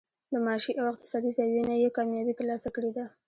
د معاشي او اقتصادي زاويې نه ئې کاميابي تر لاسه کړې ده